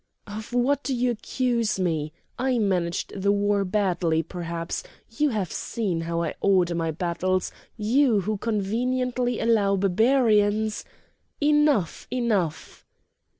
"Of what do you accuse me? I managed the war badly, perhaps! You have seen how I order my battles, you who conveniently allow Barbarians—" "Enough! enough!"